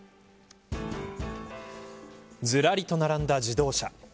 ずらりと並んだ自動車。